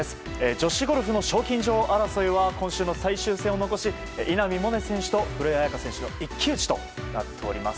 女子ゴルフの賞金女王争いは今週の最終戦を残し稲見萌寧選手と古江彩佳選手の一騎打ちとなっております。